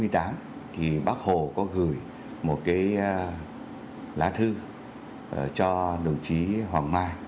thì bác hồ có gửi một cái lá thư cho đồng chí hoàng mai